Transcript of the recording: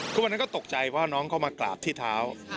วันนั้นก็ตกใจว่าน้องเข้ามากราบที่เท้า